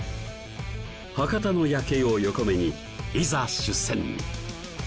博多の夜景を横目にいざ出船！